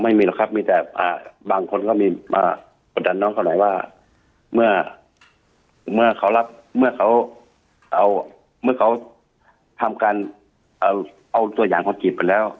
ไม่มีหรอกครับบางคนก็มีมาดันน้องเขาน้อยว่าเมื่อเขาทำการเอาตัวใหญ่คนออกไปแล้ว